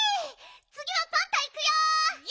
つぎはパンタいくよ！